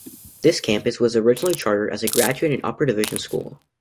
This campus was originally chartered as a graduate and upper division school.